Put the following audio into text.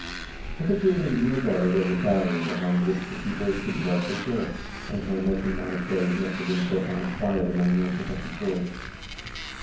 Hitherto it had been regarded as a barrier behind which the peoples could dwell secure, and hamlets and monasteries nestled in profound quiet along the unprotected shores.